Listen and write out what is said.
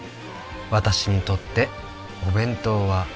「私にとってお弁当は」